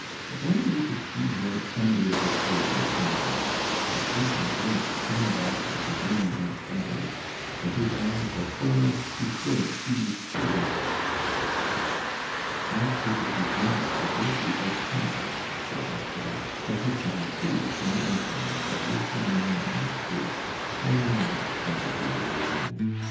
if only we could see him under the table to night! But he can drink ten bottles and only be fuddled; when his eyes are full, he still sees clearly." "Like people whose windows are dirty outside," said Esther, "but who can see from inside what is going on in the street. I know that property in man.